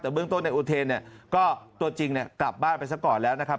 แต่เบื้องต้นในอุเทนเนี่ยก็ตัวจริงกลับบ้านไปซะก่อนแล้วนะครับ